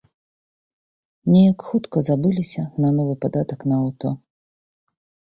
Неяк хутка забыліся на новы падатак на аўто.